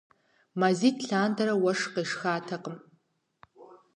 Мазитӏ лъандэрэ уэшх къешхатэкъым.